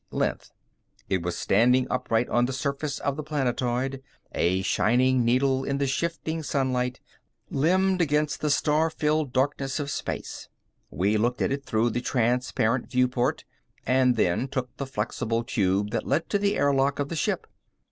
length. It was standing upright on the surface of the planetoid, a shining needle in the shifting sunlight, limned against the star filled darkness of space. We looked at it through the transparent viewport, and then took the flexible tube that led to the air lock of the ship.